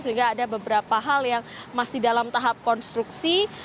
sehingga ada beberapa hal yang masih dalam tahap konstruksi